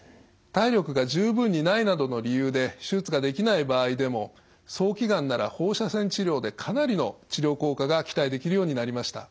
体力が十分にないなどの理由で手術ができない場合でも早期がんなら放射線治療でかなりの治療効果が期待できるようになりました。